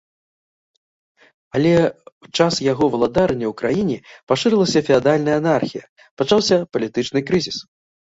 Але ў час яго валадарання ў краіне пашырылася феадальная анархія, пачаўся палітычны крызіс.